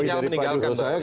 sinyal meninggalkan pak jokowi